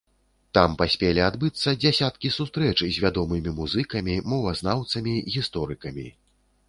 Там паспелі адбыцца дзясяткі сустрэч з вядомымі музыкамі, мовазнаўцамі, гісторыкамі.